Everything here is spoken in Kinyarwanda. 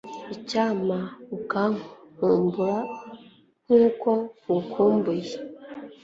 icyampa ukankumbura nk'uko ngukumbuye